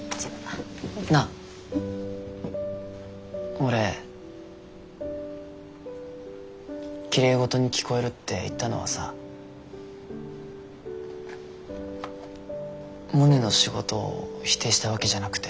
俺きれいごどに聞こえるって言ったのはさモネの仕事を否定したわけじゃなくて。